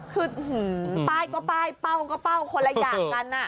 คือป้ายก็ป้ายเป้าก็เป้าคนละอย่างกัน